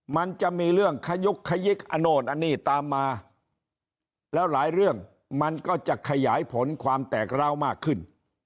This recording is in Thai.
มันจะมีเรื่องขยุกขยิกอันโน่นอันนี้ตามมาแล้วหลายเรื่องมันก็จะขยายผลความแตกร้าวมากขึ้น